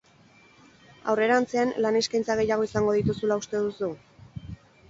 Aurrerantzean lan-eskaintza gehiago izango dituzula uste duzu?